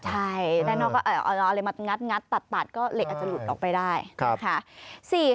ใช่ด้านนอกก็เอาอะไรมางัดตัดก็เหล็กอาจจะหลุดออกไปได้นะคะ